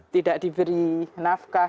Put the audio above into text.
tidak diberi nafkah